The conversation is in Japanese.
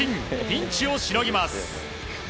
ピンチをしのぎます。